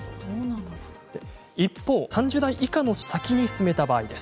一方、３０代以下の接種を先に進めた場合です。